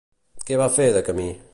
Què va fer de camí?